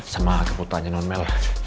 sama kebutuhannya non mel